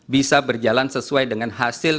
bisa berjalan sesuai dengan hasil